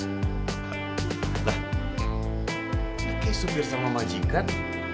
ini kayaknya supir sama majikan